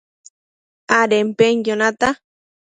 adenpenquio natac